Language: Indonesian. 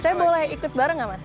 saya boleh ikut bareng gak mas